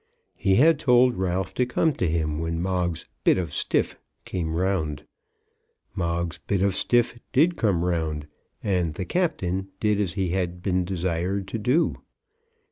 He had told Ralph to come to him when Moggs's "bit of stiff" came round. Moggs's "bit of stiff" did come round, and "the Captain" did as he had been desired to do.